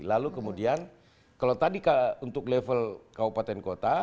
lalu kemudian kalau tadi untuk level kabupaten kota